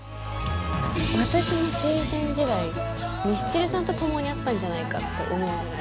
私の青春時代ミスチルさんと共にあったんじゃないかって思うぐらい。